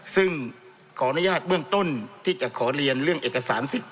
ซึ่งขออนุญาตเบื้องต้นที่จะขอเรียนเรื่องเอกสารสิทธิ